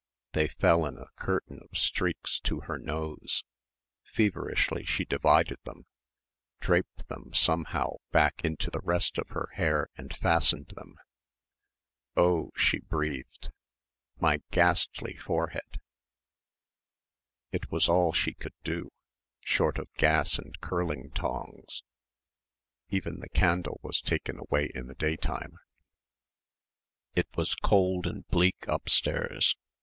They fell in a curtain of streaks to her nose. Feverishly she divided them, draped them somehow back into the rest of her hair and fastened them. "Oh," she breathed, "my ghastly forehead." It was all she could do short of gas and curling tongs. Even the candle was taken away in the day time. It was cold and bleak upstairs.